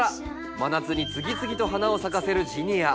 真夏に次々と花を咲かせるジニア。